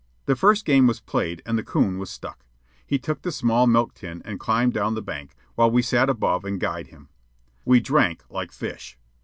The first game was played and the coon was stuck. He took the small milk tin and climbed down the bank, while we sat above and guyed him. We drank like fish.